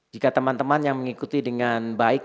jika teman teman yang mengikuti dengan baik